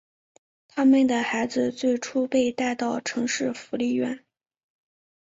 他们的孩子最初被带到城市福利院。